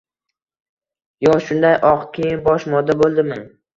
Yo shunday oq kiyim-bosh moda bo‘ldimi?»